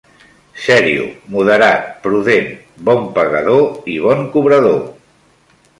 Serio, moderat, prudent, bon pagador i bon cobrador